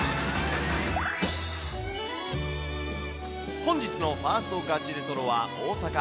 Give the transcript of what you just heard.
本日のファーストガチレトロは、大阪。